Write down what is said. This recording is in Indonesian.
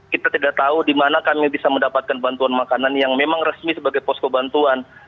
kita tidak tahu di mana kami bisa mendapatkan bantuan makanan yang memang resmi sebagai posko bantuan